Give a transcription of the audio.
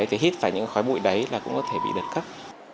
thì hít phải những khói bụi đấy là cũng có thể bị đợt cấp